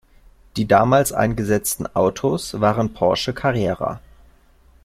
Die damals eingesetzten Autos waren Porsche Carrera.